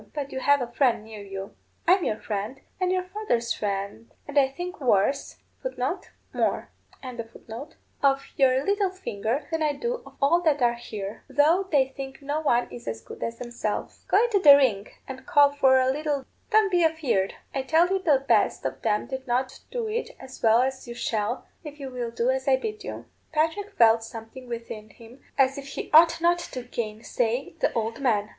But you have a friend near you. I'm your friend, and your father's friend, and I think worse of your little finger than I do of all that are here, though they think no one is as good as themselves. Go into the ring and call for a lilt. Don't be afeard. I tell you the best of them did not do it as well as you shall, if you will do as I bid you.' Patrick felt something within him as if he ought not to gainsay the old man.